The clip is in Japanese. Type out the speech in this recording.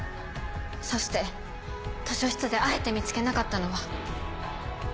そして図書室であえて見つけなかったのは。